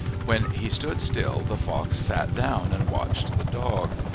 When he stood still the fox sat down and watched the dog.